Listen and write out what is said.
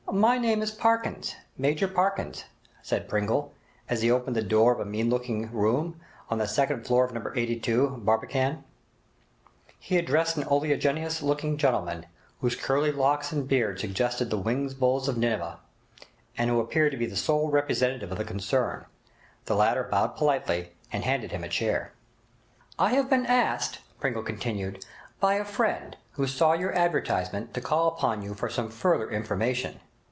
'My name is Parkins—Major Parkins,' said Pringle, as he opened the door of a mean looking room on the second floor of No. 82, Barbican. He addressed an oleaginous looking gentleman, whose curly locks and beard suggested the winged bulls of Nineveh, and who appeared to be the sole representative of the concern. The latter bowed politely, and handed him a chair. 'I have been asked,' Pringle continued, 'by a friend who saw your advertisement to call upon you for some further information.'